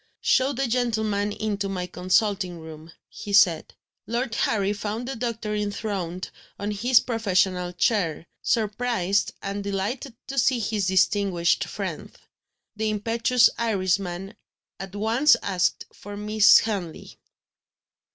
"Show the gentleman into my consulting room," he said. Lord Harry found the doctor enthroned on his professional chair, surprised and delighted to see his distinguished friend. The impetuous Irishman at once asked for Miss Henley.